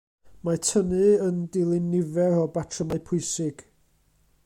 Mae tynnu yn dilyn nifer o batrymau pwysig.